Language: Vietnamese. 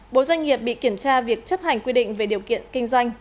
bốn doanh nghiệp bị kiểm tra việc chấp hành quy định về điều kiện kinh doanh